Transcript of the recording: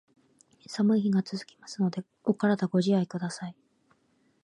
寒い日が続きますので、お体ご自愛下さい。